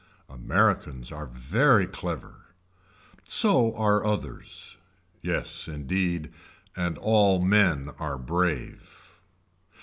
Americans are very clever. So are others. Yes indeed. And all men are brave.